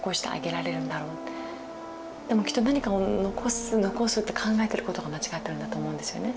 でもきっと「何かを残す」「残す」って考えてることが間違ってるんだと思うんですよね。